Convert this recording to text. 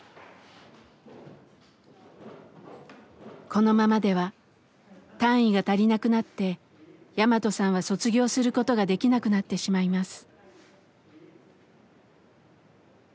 このままでは単位が足りなくなってヤマトさんは卒業することができなくなってしまいます。